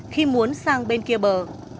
khi muốn sang bên kia bờ